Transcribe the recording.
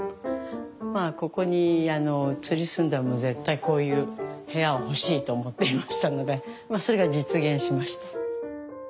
ここに移り住んだらもう絶対こういう部屋が欲しいと思っていましたのでそれが実現しました。